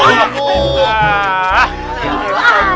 ya allah ibu